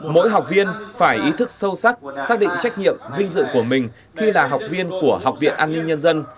mỗi học viên phải ý thức sâu sắc xác định trách nhiệm vinh dự của mình khi là học viên của học viện an ninh nhân dân